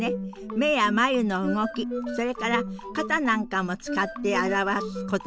目や眉の動きそれから肩なんかも使って表す言葉なのよ。